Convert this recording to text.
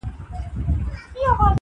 چي له شا څخه یې خلاص د اوږو بار کړ-